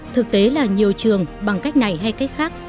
thực tế là nhiều trường bằng cách này hay cách khác